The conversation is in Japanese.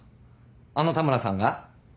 あの田村さんが？